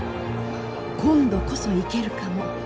今度こそ行けるかも。